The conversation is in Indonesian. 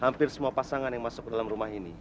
hampir semua pasangan yang masuk ke dalam rumah ini